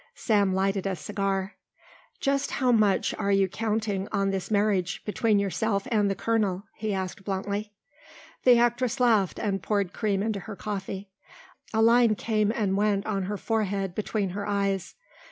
Sam lighted a cigar. "Just how much are you counting on this marriage between yourself and the colonel?" he asked bluntly. The actress laughed and poured cream into her coffee. A line came and went on her forehead between her eyes.